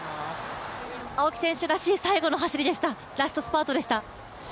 青木選手らしい最後のラストスパートでした。